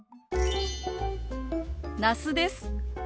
那須です。